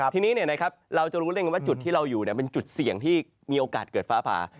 ทีนี้เราจะรู้ได้ไงว่าจุดที่เราอยู่เป็นจุดเสี่ยงที่มีโอกาสเกิดฟ้าผ่า